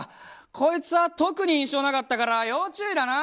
こいつは特に印象なかったから要注意だな。